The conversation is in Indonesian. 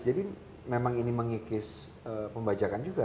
jadi memang ini mengikis pembajakan juga